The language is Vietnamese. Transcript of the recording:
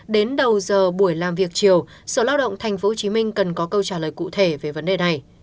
đến đầu giờ buổi làm việc chiều sở lao động tp hcm cần có câu trả lời cụ thể về vấn đề này